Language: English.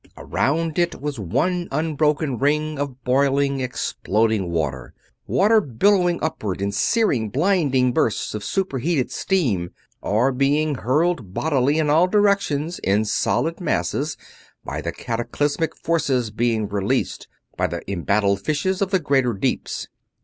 Around it was one unbroken ring of boiling, exploding water water billowing upward in searing, blinding bursts of super heated steam, or being hurled bodily in all directions in solid masses by the cataclysmic forces being released by the embattled fishes of the greater deeps.